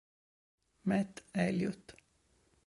Matt Elliott